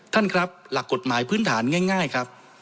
ท่านครับหลักกฎหมายพื้นฐานง่ายครับ